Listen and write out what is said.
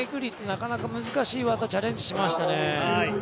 なかなか難しい技チャレンジしましたね。